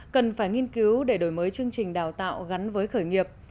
cần phải nghiên cứu để đổi mới chương trình đào tạo gắn với khởi nghiệp